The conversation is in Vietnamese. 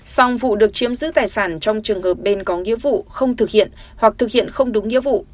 xong vụ được chiếm giữ tài sản trong trường hợp bên có nghĩa vụ không thực hiện hoặc thực hiện không đúng nghĩa vụ